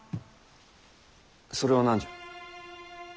それは何じゃ？